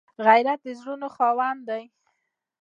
غیرت د زړونو خاوند دی